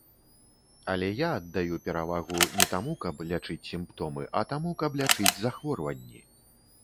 Але я аддаю перавагу не таму, каб лячыць сімптомы, а таму, каб лячыць захворванні.